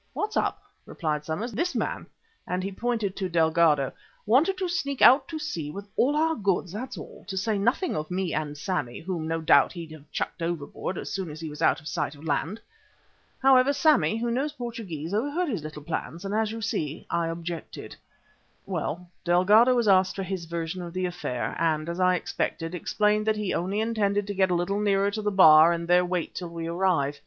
"What's up?" replied Somers. "This man," and he pointed to Delgado, "wanted to sneak out to sea with all our goods, that's all, to say nothing of me and Sammy, whom, no doubt, he'd have chucked overboard, as soon as he was out of sight of land. However, Sammy, who knows Portuguese, overheard his little plans and, as you see, I objected." Well, Delgado was asked for his version of the affair, and, as I expected, explained that he only intended to get a little nearer to the bar and there wait till we arrived.